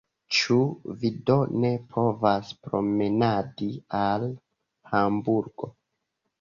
Ĉu vi do ne povas promenadi al Hamburgo?